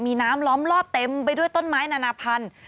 มีน้ำล้อมรอบเต็มไปด้วยต้นไม้นานาพันธุ์